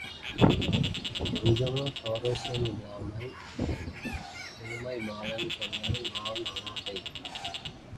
கொஞ்சமும் சுவாரஸ்யம் இல்லாமல், உமைபாலன் சொன்னான் நான் அனாதை.